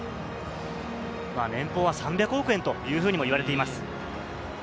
年俸は３００億円というふうにも言われています。